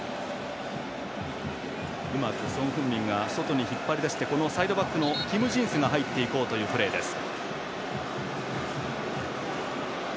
うまくソン・フンミンが外に引っ張り出してこのサイドバックのキム・ジンスが入っていこうというプレーです。